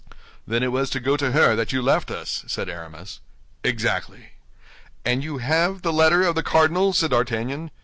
"Then it was to go to her that you left us?" said Aramis. "Exactly." "And you have that letter of the cardinal?" said D'Artagnan.